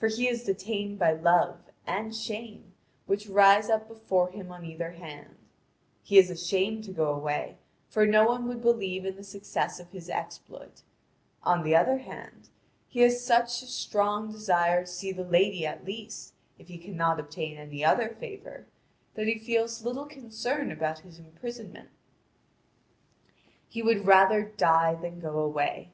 For he is detained by Love and Shame which rise up before him on either hand: he is ashamed to go away, for no one would believe in the success of his exploit; on the other hand, he has such a strong desire to see the lady at least, if he cannot obtain any other favour, that he feels little concern about his imprisonment. He would rather die than go away.